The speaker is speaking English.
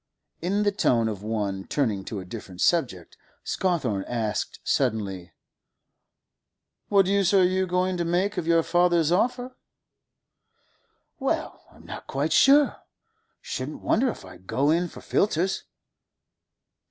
In the tone of one turning to a different subject, Scawthorne asked suddenly: 'What use are you going to make of your father's offer?' 'Well, I'm not quite sure. Shouldn't wonder if I go in for filters.